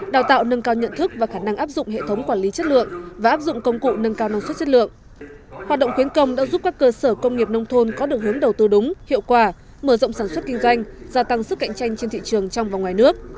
đạt được tư đúng hiệu quả mở rộng sản xuất kinh doanh gia tăng sức cạnh tranh trên thị trường trong và ngoài nước